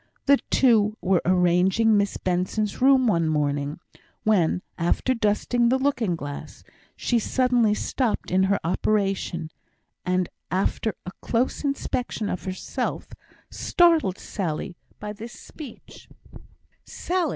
The two were arranging Miss Benson's room one morning, when, after dusting the looking glass, she suddenly stopped in her operation, and after a close inspection of herself, startled Sally by this speech: "Sally!